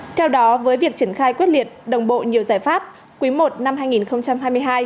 theo đó với việc triển khai quyết liệt đồng bộ nhiều giải pháp quý i năm hai nghìn hai mươi hai